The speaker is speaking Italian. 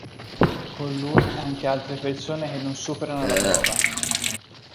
Con lui anche altre persone che non superano la prova.